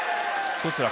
どちらか？